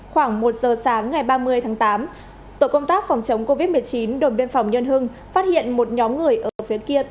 khoảng một giờ sáng ngày ba mươi tháng tám tổ công tác phòng chống covid một mươi chín đồn biên phòng nhân hưng phát hiện một nhóm người ở phía kia